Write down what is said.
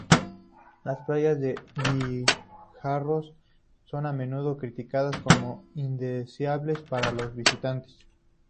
Las playas de guijarros son a menudo criticadas como indeseables para los visitantes.